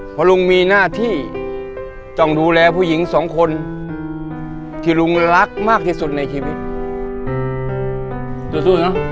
เพราะลุงมีหน้าที่ต้องดูแลผู้หญิงสองคนที่ลุงรักมากที่สุดในชีวิตสู้เนอะ